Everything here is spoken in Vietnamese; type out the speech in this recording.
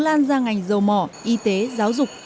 lan ra ngành dầu mỏ y tế giáo dục